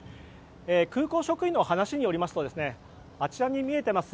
空港職員の話によりますとあちらに見えています